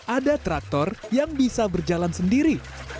ada traktor yang bisa berjalan sendiri